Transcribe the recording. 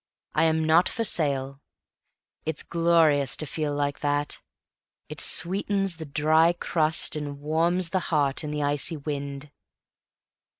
I am not for sale. It's glorious to feel like that. It sweetens the dry crust and warms the heart in the icy wind.